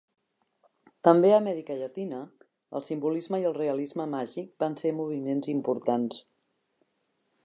També a Amèrica Llatina, el simbolisme i el realisme màgic van ser moviments importants.